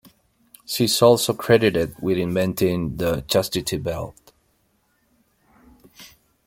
She is also credited with inventing the chastity belt.